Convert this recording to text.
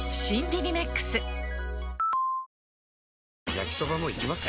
焼きソバもいきます？